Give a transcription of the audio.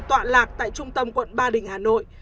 tọa lạc tại trung tâm quận ba đình hà nội